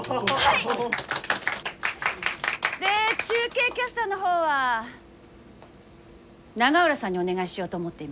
で中継キャスターの方は永浦さんにお願いしようと思っています。